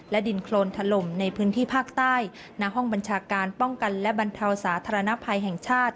ดินโครนถล่มในพื้นที่ภาคใต้ณห้องบัญชาการป้องกันและบรรเทาสาธารณภัยแห่งชาติ